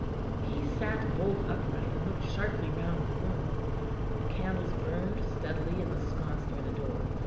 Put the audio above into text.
_ He sat bolt upright and looked sharply round the room; the candles burned steadily in the sconce near the door.